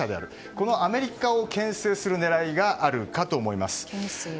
このアメリカを牽制する狙いがあるかと思います。